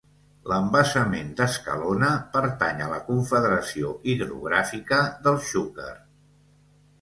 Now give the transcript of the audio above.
L'embassament d'Escalona pertany a la Confederació Hidrogràfica del Xúquer.